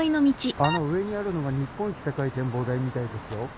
あの上にあるのが日本一高い展望台みたいですよ。